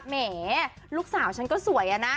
แหมลูกสาวฉันก็สวยอะนะ